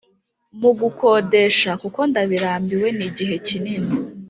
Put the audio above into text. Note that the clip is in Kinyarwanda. Mugukodesha kuko ndabirambiwe nigihe kinini